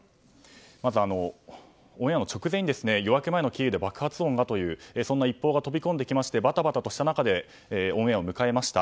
まず、オンエアの直前に夜明け前のキーウで爆発音が、というそんな一報が飛び込んできましてばたばたとした中でオンエアを迎えました。